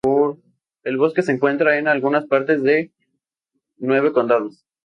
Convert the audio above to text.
El bosque se encuentra en algunas partes de nueve condados.